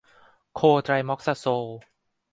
โคไตรม็อกซาโซล